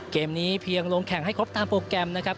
เกมนี้เพียงลงแข่งให้ครบตามโปรแกรมนะครับ